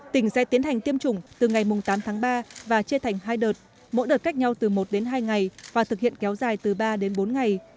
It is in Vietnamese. tỉnh sẽ tiến hành tiêm chủng từ ngày tám tháng ba và chia thành hai đợt mỗi đợt cách nhau từ một đến hai ngày và thực hiện kéo dài từ ba đến bốn ngày